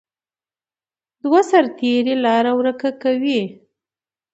دوه سرتیري لاره ورکه کوي.